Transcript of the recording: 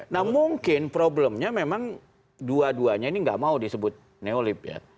nah mungkin problemnya memang dua duanya ini nggak mau disebut neolib ya